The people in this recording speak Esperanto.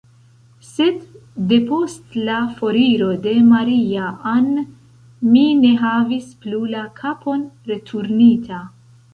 Sed, depost la foriro de Maria-Ann, mi ne havis plu la kapon returnita.